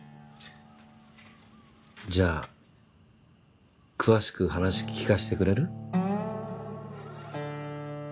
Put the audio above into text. じゃあ詳しく話聞かせてくれる？